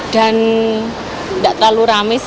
dan tidak terlalu ramai